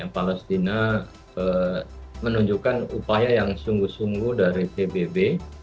palestina menunjukkan upaya yang sungguh sungguh dari pbb